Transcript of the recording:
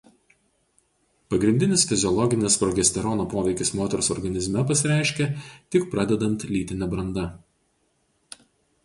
Pagrindinis fiziologinis progesterono poveikis moters organizme pasireiškia tik pradedant lytine branda.